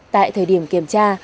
tại thời điểm kiểm tra